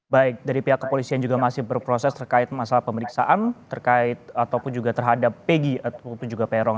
baik dari pihak kepolisian juga masih berproses terkait masalah pemeriksaan terkait ataupun juga terhadap pegi ataupun juga peron